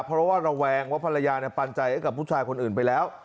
เพราะว่าระแวงว่าภรรยาปันใจให้กับผู้ชายคนอื่นไปแล้ว